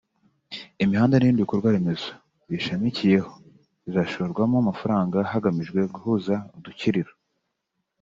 imihanda n’ibindi bikorwa remezo biyishamikiyeho bizashorwamo amafaranga hagamijwe guhuza Udukiriro